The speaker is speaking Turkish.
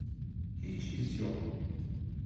Hiç iz yok.